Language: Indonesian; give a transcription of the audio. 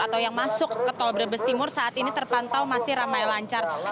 atau yang masuk ke tol brebes timur saat ini terpantau masih ramai lancar